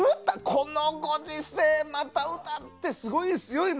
このご時世また歌ってすごいですよ、今。